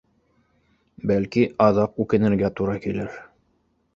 Бәлки, аҙаҡ үкенергә тура килер